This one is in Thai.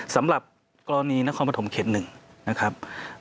สำหรับกรณีนครปฐมเขต๑นะครับ